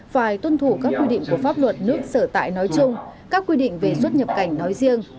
phải tuân thủ các quy định của pháp luật nước sở tại nói chung các quy định về xuất nhập cảnh nói riêng